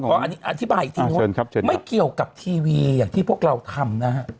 อธิบายอีกทีไม่เกี่ยวกับทีวีอย่างที่พวกเราทำนะฮะ